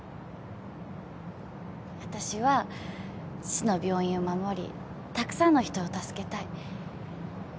私は父の病院を守りたくさんの人を助けたい。